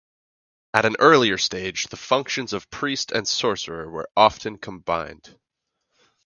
At an earlier stage the functions of priest and sorcerer were often combined.